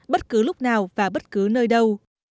bất cứ lúc nào và bất cứ nơi đâu